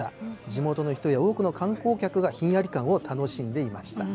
地元の人や多くの観光客がひんやり感を楽しんでいました。